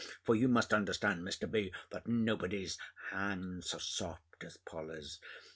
For you must understand, Mr. B., that nobody's hand's so soft as Polly's.